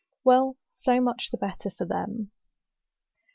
Well, so much the better for them.